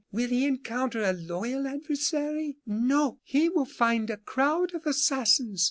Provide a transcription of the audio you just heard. Will he encounter a loyal adversary? No. He will find a crowd of assassins.